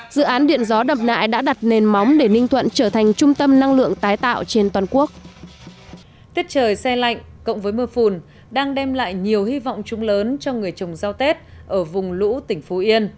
dự án điện gió đầm nại đã đạt được tổng mức đầu tư sáu mươi triệu kwh